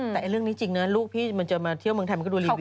แต่เรื่องนี้จริงนะลูกพี่มันจะมาเที่ยวเมืองไทยมันก็ดูรีวิว